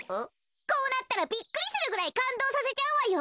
こうなったらびっくりするぐらいかんどうさせちゃうわよ。